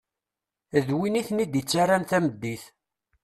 D win i ten-id-ttaren tameddit.